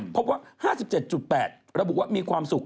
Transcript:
พบว่า๕๗๘ระบุว่ามีความสุข